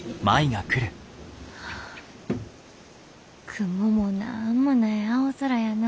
雲もなんもない青空やな。